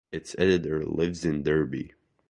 Its editor lives in Derby.